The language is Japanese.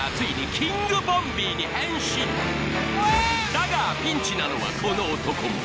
だがピンチなのはこの男も。